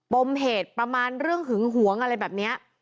ปมเหตุประมาณเรื่องหึงหวงอะไรแบบนี้